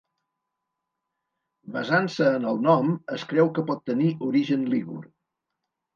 Basant-se en el nom, es creu que pot tenir origen lígur.